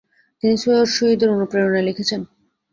তিনি সৈয়দ শহীদের অনুপ্রেরণায় লিখেছেন।